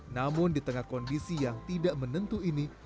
namun di tengah kondisi yang tidak menentu ini